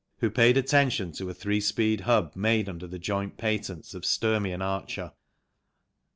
who paid attention to a three speed hub made under the joint patents of Sturmey and Archer.